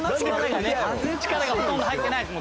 力がほとんど入ってないです。